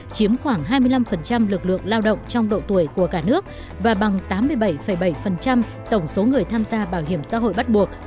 chiếm khoảng hai mươi năm lực lượng lao động trong độ tuổi của cả nước và bằng tám mươi bảy bảy tổng số người tham gia bảo hiểm xã hội bắt buộc